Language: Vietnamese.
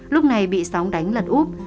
lúc này bị sóng đánh lật úp